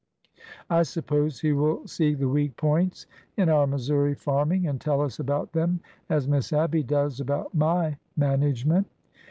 I suppose he will see the weak points in our Missouri farming, and tell us about them as Miss Abby does about my management."